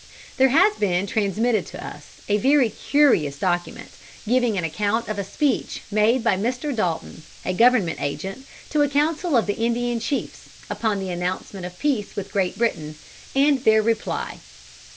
There has been transmitted to us a very curious document, giving an account of a speech made by Mr. Dalton, a Government agent, to a council of Indian chiefs, upon the announcement of peace with Great Britain, and their reply.